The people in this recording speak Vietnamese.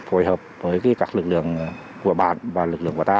phối hợp với các lực lượng của bạn và lực lượng của ta